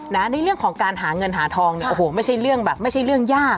ในเรื่องของการหาเงินหาทองเนี่ยโอ้โหไม่ใช่เรื่องแบบไม่ใช่เรื่องยาก